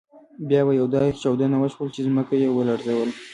بیا یوه داسې چاودنه وشول چې ځمکه يې ولړزول.